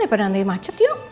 daripada nanti macet yuk